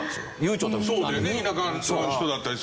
そうだよね田舎の人だったりすると。